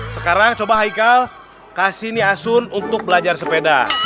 sekarang coba haikal kasih nih asun untuk belajar sepeda